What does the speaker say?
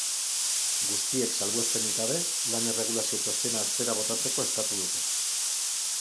Guztiek, salbuespenik gabe, lan-erregulazio txostena atzera botatzeko eskatu dute.